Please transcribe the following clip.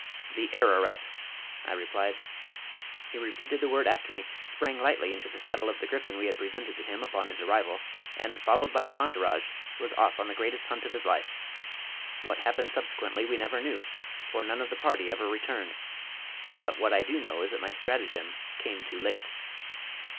"The Ararat," I replied. He repeated the word after me, sprang lightly into the saddle of Griffin we had presented to him upon his arrival, and, followed by his entourage, was off on the greatest hunt of his life. What happened subsequently we never knew, for none of the party ever returned; but what I do know is that my stratagem came too late.